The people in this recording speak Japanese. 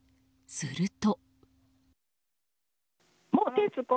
すると。